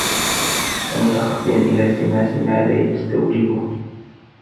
وَمُتَخَطِّيًا إلَى الْتِمَاسِ مَا لَا يَسْتَوْجِبُهُ